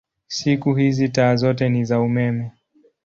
Siku hizi taa zote ni za umeme.